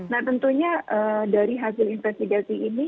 nah tentunya dari hasil investigasi ini